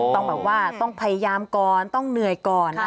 ต้องแบบว่าต้องพยายามก่อนต้องเหนื่อยก่อน